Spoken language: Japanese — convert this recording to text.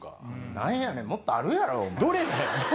何やねんもっとあるやろお前。